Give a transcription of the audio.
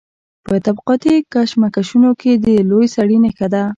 په طبقاتي کشمکشونو کې د لوی سړي نښه ده.